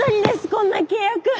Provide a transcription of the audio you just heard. こんな契約！